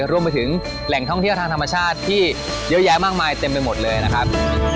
รวมไปถึงแหล่งท่องเที่ยวทางธรรมชาติที่เยอะแยะมากมายเต็มไปหมดเลยนะครับ